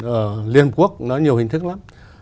ở liên hợp quốc nó nhiều hình thức lắm